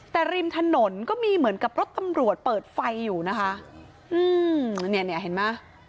แต่ริมถนนก็มีเหมือนกับรถตำรวจเปิดไฟอยู่นะคะอืมเนี่ยเนี่ยเห็นไหม